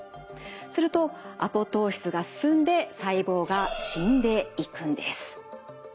するとアポトーシスが進んで細胞が死んでいくんです。